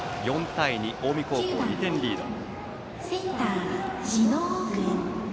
４対２と近江高校、２点リード。